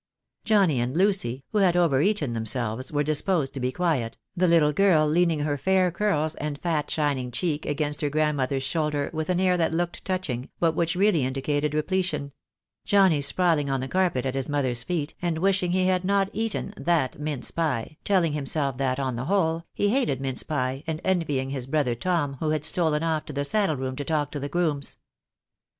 Johnnie and Lucy, who had over eaten themselves, were disposed to be quiet, the little girl leaning her fair curls and fat shining cheek against her grandmother's shoulder with an air that looked touching, but which really indicated repletion; Johnnie sprawling on the carpet 2g6 THE DAY WILL COME. at his mother's feet, and wishing he had not eaten that mince pie, telling himself that, on the whole, he hated mince pie, and envying his brother Tom, who had stolen off to the saddle room to talk to the grooms.